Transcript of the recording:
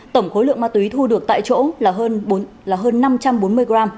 tổng khối lượng ma túy thu được tại chỗ là hơn năm trăm bốn mươi g